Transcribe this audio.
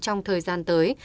trong thời gian tới